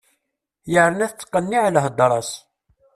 Yerna tettqenniɛ lhedra-s.